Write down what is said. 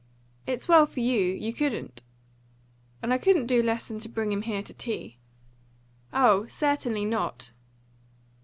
"It's well for you you couldn't." "And I couldn't do less than bring him here to tea." "Oh, certainly not."